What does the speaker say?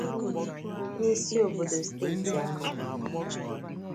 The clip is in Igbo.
n'isi obodo steeti ahụ